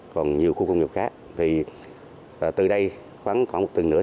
còn nhiều khu công nghiệp khác thì từ đây khoảng một tuần nữa